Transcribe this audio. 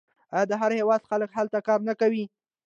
آیا د هر هیواد خلک هلته کار نه کوي؟